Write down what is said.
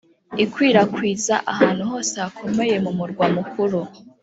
ikwirakwizwa ahantu hose hakomeye mu murwa mukuru.